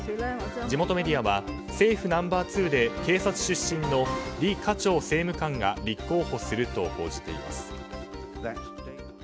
地元メディアは政府ナンバー２で警察出身のリ・カチョウ政務官が立候補すると報じています。